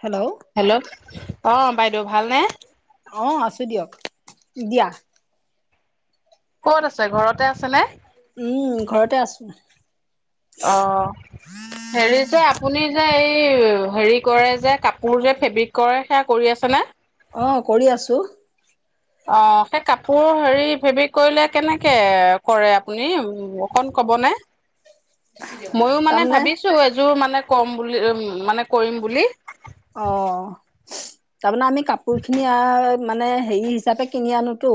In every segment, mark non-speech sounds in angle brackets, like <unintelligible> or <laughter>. Hello. Hello অ বাইদেউ ভালনে? অ আছো দিয়ক দিয়া। ক'ত আছে ঘৰতে আছে নে? উম ঘৰতে আছো। অ হেৰি যে আপুনি যে এই। হেৰি কৰে যে কাপোৰ যে ফেব্ৰিক কৰে সেয়া কৰি আছে নে? অ কৰি আছো অ সেই কাপোৰ হেৰি ফেব্ৰিক কৰিলে কেনেকৈ কৰে আপুনি অকণ ক'বনে? ময়ো মানে তাৰমানে ভাবিছো এযোৰ মানে। কম বুলি উ মানে কৰিম বুলি। অ তাৰমানানে আমি কাপোৰ খিনি মানে হেৰি হিচাপে কিনি আনোতো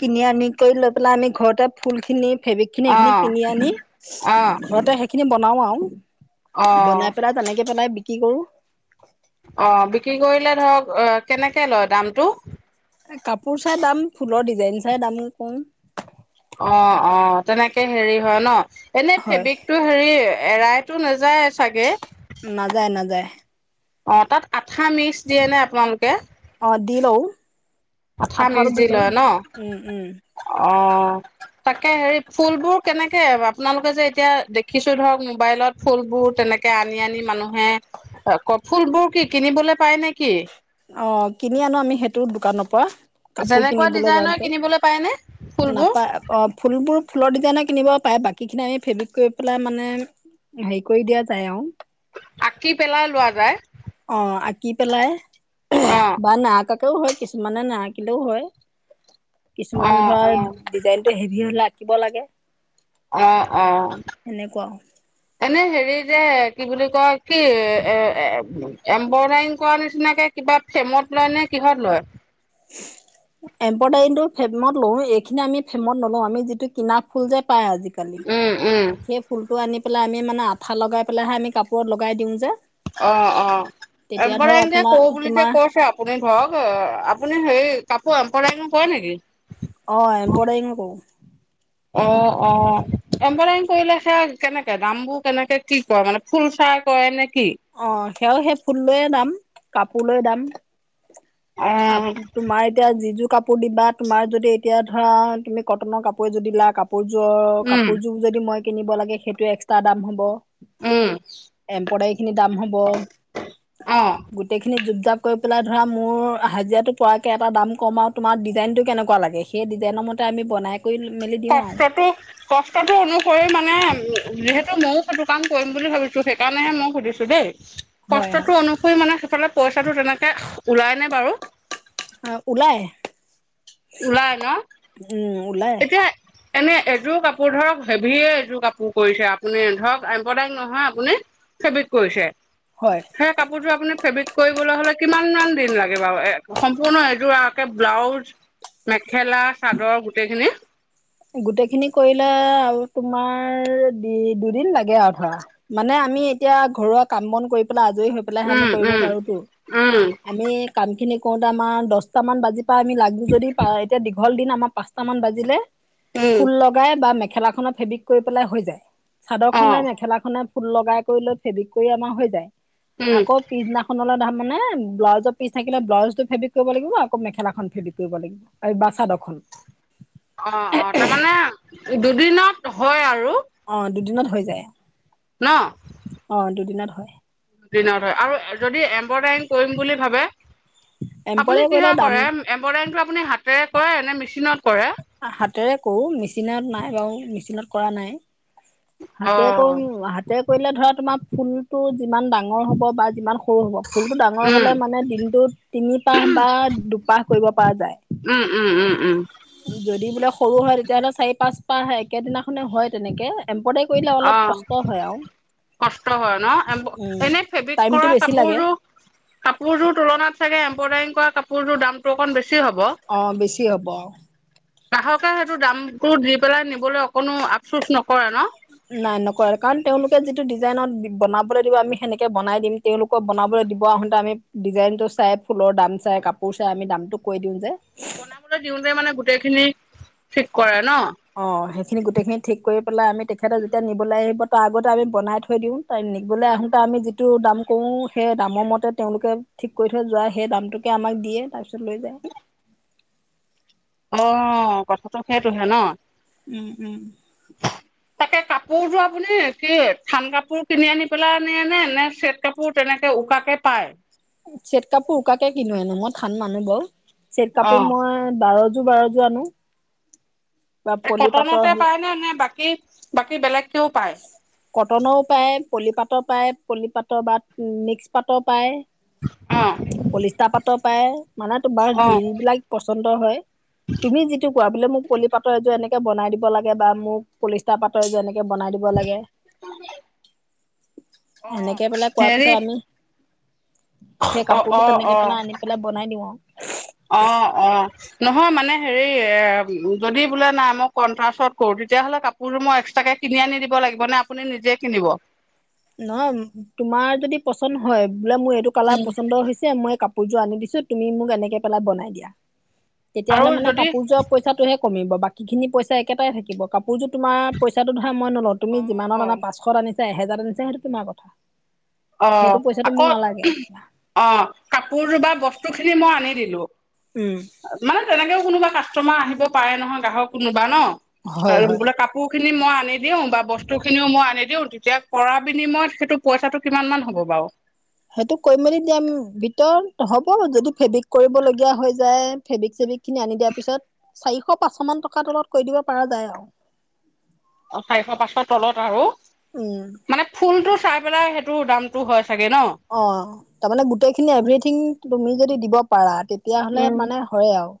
কিনি আনি কৰি লৈ পেলাই আমি ঘৰতে ফুল খিনি। ফেব্ৰিক খিনি অ এইখিনি কিনি আনি অ ঘৰতে সেইখিনি ব। নাম আও। অ বনাই পেলাই তেনেকে পেলাই। কি কৰো। অ বিক্ৰী কৰিলে ধৰক কেনেকে লয় দামটো। কাপোৰ চাই দাম ফুলৰ ডিজাইন চাই দাম কও। অ অ তেনেকে হেৰি হয় ন। এনে হয় ফেব্ৰিকতটো হেৰি। এৰাইতো না। যাই চাগে। নাযায় নাযায় অ তাত আঠা মিক্স দিয়ে নে আপোনালোকে? অ দি লও। আঠ আঠাটো মিক্স দি লও লয় ন উম উম অ। তাকে হেৰি ফুলবোৰ কেনেকে আপোনালোকে যে এতিয়া দেখিছো ধৰক মোবাইলত ফুলবোৰ তেনেকে আনি আনি মানুহে ক ফুলবোৰ কি কিনিবলে পায় নেকি অ কিনি আনো আমি সেইটো দোকানৰ পৰা কাপোৰ যেনেকুৱা কিনিবলৈ ডিজাইনৰ যাওঁতে কিনিবলৈ পায়নে ফুলবোৰ নাপায় অ ফুলবোৰ ফুলৰ ডিজাইনে কিনিব পাৰে বাকীখিনি আমি ফেব্ৰিক কৰি পেলাই মানে হেৰি কৰি দিয়া যায় আৰু আঁকি পেলাই লোৱা যায় অ আঁকি পেলাই অ', বাৰ ন আকা কে হয় কিছুমানে নাহাকিলেও হয় কিছুমান অ', ধৰা অ', ডিজাইনটো হেভি হল থাকিব লাগে অ অ সেনেকুৱা এনে হেৰি হেৰি যে কি বুলি কয় কি এ এম্ব্ৰইডাৰিং কৰা নিচিনাকে কিবা ফেমত লয় নে কিহত লয় ফেমত লওঁ এইখিনি আমি ফেমত নলওঁ আমি যিটো কিনা ফুল যে পায় আজিকালি উম উম। সেই ফুলটো আনি পেলাই আমি মানে আঠা লগাই পেলাইহে আমি কাপোৰত লগাই দিওঁ যে অ অ তেতিয়া ধৰক এবলেন যে আপোনাৰ কৰোঁ বুলি যে তোমাৰ কৈছে আপুনি ধৰক আপুনি সেই কাপোৰ এম্ব্ৰইডাৰিং কৰা নেকি অ এম্ব্ৰডাইৰিং কৰো। অ অ এম্ব্ৰইডাৰিং কৰিলে সেয়া কেনেকে দামবোৰ কেনেকে কি কয় মানে ফুল চাই কৰে নে কি? অ। সেয়াও সেই ফুল লৈয়ে দাম কাপোৰ লৈ দাম আ অ'। তোমাৰ এতিয়া যি যোৰ কাপোৰ দিবা তোমাৰ যদি এতিয়া ধৰা তুমি কটনৰ কাপোৰে এযোৰ দিলা কাপোৰ। কাপোৰযোৰ উম কাপোৰযোৰ যদি মই। কিনিব লাগে সেইটো এক্সট্ৰা দাম হ'ব। উম এম্ব্ৰইডাৰিং দাম হব অ'। গোটেইখিনি প্ৰিজাৰ কৰি পেলাই ধৰা মোৰ হাজিৰাটো পৰাকৈ এটা দাম কম আৰু তোমাৰ ডিজাইনটো কেনেকুৱা লাগে সেই ডিজাইনৰ মতে আমি বনাই কৰি মেলি দিওঁ আৰু কষ্টটো কষ্টটো অনুসৰি মানে। যিহেতু ময়ো সেইটো কাম কৰিম বুলি ভাবিছো সেইকাৰণেহে মই সুধিছো দেই। হয় কষ্টটো অনুসৰি মানে সেইফালে। পইচাটো তেনেকে। ওলাইনে বাৰু। হয় ওলাই ওলাই ন। উম ওলাই। এতিয়া এনে এযোৰ কাপোৰ ধৰক হেভিয়ে এযোৰ কাপোৰ কৰিছে আপুনি ধৰক এম্বডাৰী নহয় আপুনি ফেবিক কৰিছে। হয় সেই কাপোৰযোৰ আপুনি ফেব্ৰিক। কৰিবলৈ হ'লে কিমান মান দিন লাগে বাৰু এ সম্পূৰ্ণ এইযোৰ আকে ব্লাউজ মেখেলা চাদৰ। গোটেইখিনিত। গোটেই খিনি কৰিলে আৰু তোমাৰ দু দুদিন লাগে। এয়া ধৰা মানে। আমি এতিয়া ঘৰুৱা কাম বন কৰি পেলাই আজ হৈ পেলাইহে আমি উম কৰিব উম পাৰোতো উম আমি কাম খিনি কওঁতে আমাৰ দহটামান বজাৰ পৰা আমি লাগো যদি এতিয়া দীঘল দিন আমাৰ পাঁচটামান বাজিলে উম ফুল লগাই বা মে। মেখেলা খনত ফেব্ৰিক কৰি পেলাই হৈ যায়। চাদৰ অ খনত মেখেলাখনে ফুল লগাই কৰি লৈ ফেব্ৰিক কৰি আমাৰ হৈ যায়। উম আকৌ পিছদিনাখনলৈ দাম। মানে ব্লাউজৰ পিছ থাকিলে ব্লাউজটো ফেবিক কৰিব লাগিব আকৌ মেখেলাখন ফেবিক কৰিব লাগিব আৰু বা চাদৰ খন। অ অ তাৰমানে দুদিনত হয় আৰু অ দুদিনত হৈ যায় অ দুদিনত হয় দিনত হয় আৰু যদি এ এম্বদাৰিং কৰিম বুলি ভাবে এম্পৰে আপুনি কৰিলে কিহৰ দাম কৰে এম্বদাৰিংটো আ আপুনি হাতেৰে কৰে নে মেচিনত কৰে হাতেৰে কৰো মেচিনত নাই নাই মেচিনত কৰা নাই অ হাতে আকৌ হাতে কৰিলে ধৰা তোমাৰ ফুলটো যিমান ডাঙৰ হ'ব বা যিমান সৰু হ'ব ফুলটো ডাঙৰ হ'লে উম মানে দিনটোত তিনিপাহ বা দুপাহ কৰিব পৰা যায় উম উম উম উম যদি বোলে সৰু হয় তেতিয়াহ'লে চাৰি পাঁচপাহে একেদিনাখনে হয় তেনেকৈ অ কষ্ট হয় ন এ উম এনে ফেব্ৰিক টাইমটো কৰা বেছি লাগে কাপোৰযোৰ কাপোৰযোৰ তুলনাত চাগে এম্বদাৰিং কৰা কাপোৰযোৰ দামটো অকণ বেছি হ'ব অ বেছি হ'ব গ্ৰাহকে সেইটো দামটো দি পেলাই নিবলৈ অকণো আপচোচ নকৰে ন নাই নকৰে কাৰণ তেওঁলোকে যিটো ডিজাইনত বনাবলৈ দিব আমি সেনেকে বনাই দিম তেওঁলোকক বনাবলৈ দিব আহোতে আমি ডিজাইনটো চাই ফুলৰ দাম চাই কাপোৰ চাই আমি দামতো কৈ দিওঁ যে বনাবলৈ দিওঁতে মানে গোটেই খিনি ঠিক কৰে ন অ সেইখিনি গোটেইখিনি ঠিক কৰি পেলাই আমি তেখেততে যেতিয়া নিবলৈ আহিব তাৰ আগতে আমি বনাই থৈ দিওঁ টাইম নিবলে উম আহোঁতে আমি যি যিটো দাম কয় সেই দামৰ মতে তেওঁলোকে ঠিক কৰি থৈ যোৱা সেই দামটোকে আমাক দিয়ে তাৰ পিছত লৈ যায় অ কথাটো সেইটোহে ন উম উম সেই যে আপুনি কি থান কাপোৰ কিনি আনি পেলাইনে নে চেট কাপোৰ তেনেকে উকাকে পায় চেট কাপোৰ উকাকে কিনো মই থান মানুহ বাৰু চেট কাপোৰ অ', মই বাৰ যোৰ বাৰ যোৰ আনো বা পলি পাটৰ কটনতে পাই ন নে বাকী বাকী বেলেগ কটনৰও পায় পলিপাতৰ পায় পলিপাতৰ বা মিক্স পাতৰ পায় অ', পলিষ্টা পাতৰ পায় মানে তোমাৰ অ', যিবিলাক পছ বন্ধ হয় তুমি যিটো কোৱা বোলে মোক পলিপাতৰ এযোৰ এনেকে বনাই দিব লাগে বা মোক পলিষ্টা পাতৰ এযোৰ এনেকে বনাই দিবলাগে অ', এনেকে বোলে কোৱাৰ পিছত আমি অ সেই কাপোৰটো অ তেনেকে অ পেলাই আনি পেলাই বনাই দিওঁ আৰু। অ অ নহয় মানে হেৰি এ যদি বোলে নাই মই কন্ট্ৰাশত কৰো তেতিয়াাহ'লে কাপোৰোৰ মই এক্সট্ৰাকে কিনি আনি দিব লাগিব নে আপুনি নিজে কিনিব নহয় তোমাৰ যদি পছন্দ হয় বোলে মোৰ এইটো কালাৰ উম, পছন্দ হৈছে মই কাপোৰ পুজো আনি দিছো তুমি মোক এনেকে পেলাই বনাই দিয়া আৰু তেতিয়াহ'লে মানে যদি কাপোৰযোৱা পইচাটোহে কমিব বাকীখিনি পইচা একেটাই থাকিব কাপোৰ সোৰো তোমাৰইচাটো ধৰা মই নলওঁ তুমি যিমানত অ', অনা পাঁচখনত আনিছা এহেজাৰান যিহেতু তোমাৰ কথা অ পইচাটো আকৌ মোক নালাগে আৰু তেতিয়া অ কাপোৰ বা বস্তু খিনি মই আনি দিলো উম, মানে তেনেকেও কোনোবা কাষ্টমাৰ আহিব পাৰে নহয় গ্ৰাহক কোনোবা ন হয় হয় বোলে কাপোৰ খিনি যদি মই আনি দিওঁ বা বস্তুখিনিও মই আনি দিওঁ তেতিয়া কৰাইপিনে মই সেটো পইচা টো কিমান মান হ'ব বাৰু সেইটো কৰি মেলি দম ভিতৰত হ'ব যদি ফেব্ৰিক কৰিবলগীয়া হৈ যায় ফেব্ৰিক চেব্ৰিক খিনি আনি দিয়াৰ পিছত চাৰিশ পাঁচশ মান টকাৰ তলত কৰি দিব পৰা যায় আৰু অ চাৰিশ পাঁচশ তলত আৰু উম মানে ফুলটো চাই পেলাই সেইটো দামতটো হয় চাগে ন অ তাৰমানে গোটেই খিনি এভৰিথিং তুমি যদি দিব পাৰা তেতিয়াাহ'লে মানে হয় আৰু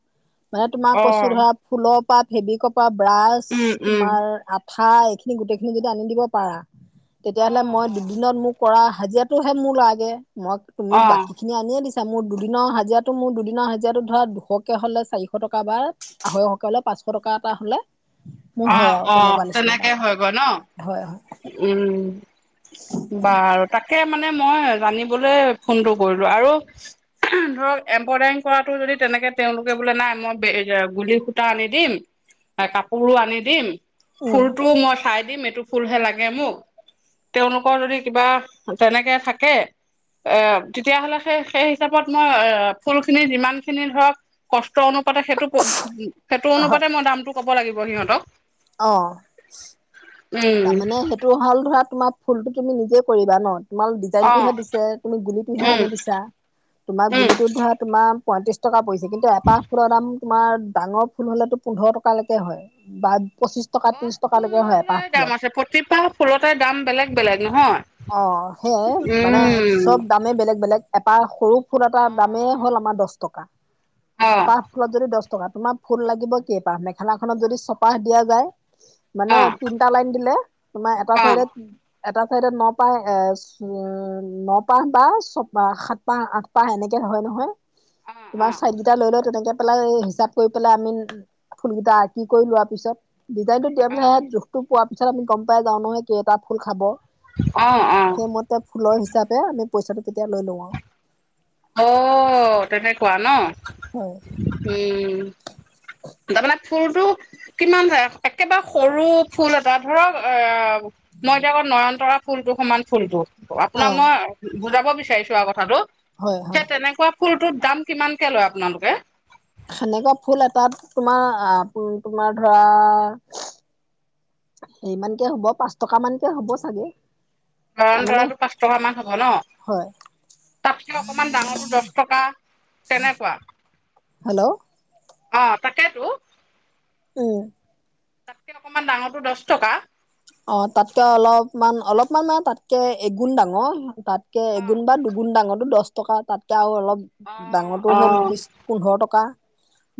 মানে তোমাৰ কৈছো অ', ধৰা ফুলৰ পাত ফেবি কপ ব্ৰাছ উম, উম, তোমাৰ ঠাই এইখিনি গোটেই খিনি যদি আনি দিব পাৰা তেতিয়াহ'লে অ', মই দুদিনত মোক কৰা হাজিৰাটো মোৰ লাগে মই তুমি অ', বাকী খিনি আনিয়ে দিছো মোৰ দুদিনৰ হাজিৰাটো মোৰ দুদিনৰ হাজিৰাটো ধৰা দুশকে হলে চাৰিশ টকা বা আঢৈশকে হলে পাঁচশ টকা এটা হলে মোৰ অ হয় আৰু অ তেনেকুৱা নিচিনা তেনেকে তাৰমানে হৈ গল ন হয় হয় উম বাৰু তাক তাকে মানে মই জানিবলৈ ফোনটো কৰিলো আৰু ধৰক এমব্ৰইডাৰিং কৰাটো যদি তেনেকে তেওঁলোকে বোলে নাই মই গুলুলি সূতা আনি দিম পুৰো আনি দিম উম ফুলটোও মই চাই দিম এইটো ফুলহে‌ লাগে মোক তেওঁৰ লোকৰ যদি কিবা তেনেকে থাকে এ তেতিয়া হ'লে সেই সেই হিচাপত মই ফুলখিনি যিমানখিনি ধৰক কষ ত অনুপাতে সেইটো সেইটো হয় অনুপাতে মই দামটো ক'ব লাগি ব সিহঁতক অ উম তাৰমানে সেইটো হাল ধৰা তোমাপ ফুলতো তুমি নিজেই কৰিবা ন তোমাৰ অ ডিজাইনটোহে দিছে তুমি গুলিটোহে উম আনি দিছা তোমাৰ উম গুলিটোত ধৰা তোমাৰ পয়ত্ৰিচ টকা পই কিন্তু এপাহ ফুলৰ দাম তোমাৰ ডাঙৰ ফুল হ'লেতো পোন্ধৰ টকালেকে হয় বা, পঁচিছটকা অ ত্ৰিশ ফুল টকালৈকে লৈ হয় লৈ এপাহ, দাম ফুলত আছে প্ৰতিপা ফুলতে দাম বেলেগ বেলেগ নহয়, হয়। অ সেয়ে মানে চব দামেই বেলেগ বেলেগ। এপাহ সৰু, ফুল এটা দামেই হ'ল আমাৰ দহ টকা অ অ এপাহ ফুলত যদি দহ তকা তোমাৰ ফুল লাগিব কেইপাহ মেখেলাখনত যদি চপাহ দিয়া যায়। মানে অ তিনটা লাইন দিলে তোমাৰ এটা অ চাইডে, এটা চাইডে ন প এ নপাহ বা ছপাহ সাত পাহ আঠ পাহ এনেকে হয় নহয়। অ তোমাৰ চাই কেইটা লৈ লৈ তেনেকে। পেলাই হিচাপ কৰি পেলাই আমি ফুল কিটা আঁকি কৰি লোৱাৰ পিছত ডিজাইনটো দিয়াই অ পিছত সেয়ত জোখটো পোৱাৰ পিছত আমি গ'ম পাই যাওঁ নহয়, কেটা ফুল খাব। অ অ সেইমতে ফুলৰ হিচাপে আমি পইচাটো কেতিয়া লৈ লওঁ আও অ তেনেকুৱা ন। হয় উম তাৰপা ফুলটো। কিমান যায় একেবাৰে সৰু ফুল এটা ধৰক অ মই এতিয়া আকৌ নয়ন তৰা ফুলটো সমান ফুলটো। অ আপোনাক মই বুজাব বিচ চাইছোৱা আৰু কথাটো। হয় সেই হয় তেনেকুৱা ফুলটোত দাম কিমানকে লয় আপোনালোকে সেনেকুৱা ফুল এটাত তোমাৰ তোমাৰ ধৰা আ সেইমানকে হ'ব পাঁচ টকা মানকে হ'ব চাগে। তাৰমানে নয়নতৰাটো পাঁচ টকা মান হ'ব ন হয় তাতছ অকমান ডাঙৰটো দহ টকা। তেনেকুৱা। হেল্ল' অ তাকেইতো। উম তাতকে অকমান ডাঙৰটো দহ টকা। অ তাতকে অলপমান অলপমান মানে তাতকে এগুণ ডাঙৰ তাত। কে অ এগুণ বা দুগুণ ডাঙৰো দহ। টকা তাতে আৰু অলপ। অ ডাঙৰটো অ হ'ল বিশ পোন্ধৰ টকা।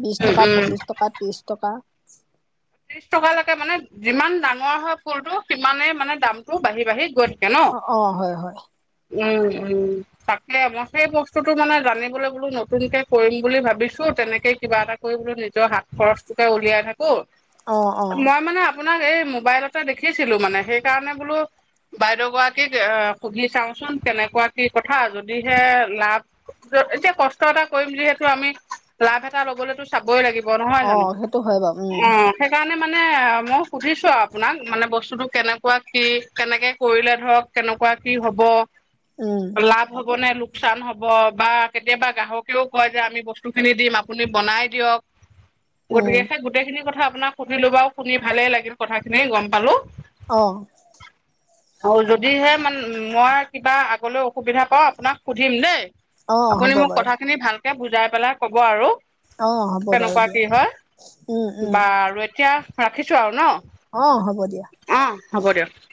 বিশ উম টকা উম পঁচিশ টকা ত্ৰিশ টকা। <inaudible> <unintelligible> ত্ৰিশ টকালৈকে মানে যিমান ডাঙৰ হয় ফুলটো সিমানে মানে দামতটো বাঢ়ি -বাঢ়ি গৈ থ অ -অ - হয় -হয় উম ', তাকে মই সেই বস্তুতটো মানে জানিবলৈ বোলো নতুনকে কৰিম বুলি ভাবিছো তেনেকে কিবা এটা কৰি বলো নিজৰ হাত খৰচটোকে উলিয়াই থাকো। অঁ ', - অঁ', মই মানে আপোনাক এই মোবাইলতে দেখিছিলো মানে সেইকাৰণে বোলো বাইদেউ গৰাকীক এ সুধি চাওচোন কেনেকুৱা কি কথা যদিহে লাভ এতিয়া কষ্ট এটা কৰিম যিহেতু আমি লাভ এটা লবলৈতো চাবই লাগিব নহয় অ জানো সেইটো হয় বাৰু উম অ', মানে- মানে মই সুধিছো আৰু আপোনাক মানে বস্তুটো কেনেকুৱা কি কেনেকে কৰিলে ধৰক কেনেকুৱা কি হ'ব? উম লাভ হ'ব নে লো লোকচান হ'ব বা কেতিয়াবা গ্ৰাহকেও কয় যে আমি বস্তুখিনি দিম আপুনি বনাই দিয়ক। গতিকে উম সেই গোটেইখিনি কথা শুনিলো বাৰু শুনি ভালেই লাগিল কথাখিনি গম পালো। অহ ', আৰু যদিহে মানে মই কিবা আগলৈ অসুবিধা পাওঁ আপোনাক সুধিম দেই। অ হ'ব আপুনি মোক বাৰু কথা খিনি ভাল তেওঁক বুজাই পেলাই কব আৰু আহ ', হ'ব বাৰু কেনেকুৱা দিয়া কি হয় উম- উম বা আৰু এতিয়া ৰাখিছো আৰু ন। হ'ব দিয়া অ', হ'ব দিয়ক।